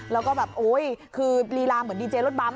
แล้วก็แบบโอ๊ยคือลีลาเหมือนดีเจรถบัม